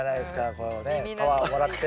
こうねパワーをもらって。